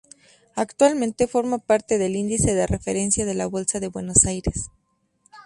Actualmente, forma parte del índice de referencia de la Bolsa de Buenos Aires.